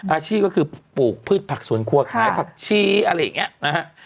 อาชีพก็คือปลูกพืชผักสวนครัวขายผักชี้อะไรอย่างนี้นะฮะ